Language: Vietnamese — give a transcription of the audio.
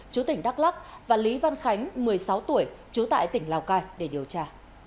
chú tỉnh đắk lắc và lý văn khánh một mươi sáu tuổi trú tại tỉnh lào cai để điều tra